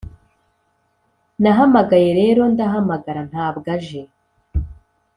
nahamagaye rero ndahamagara… ntabwo aje.